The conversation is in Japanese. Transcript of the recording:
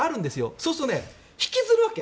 そうすると引きずるわけ。